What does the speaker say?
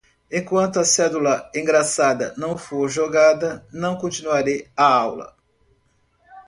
Enquanto a cédula engraçada não for jogada, não continuarei a aula.